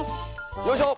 よいしょ！